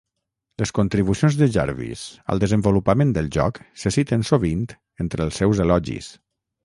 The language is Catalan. Les contribucions de Jarvis al desenvolupament del joc se citen sovint entre els seus elogis.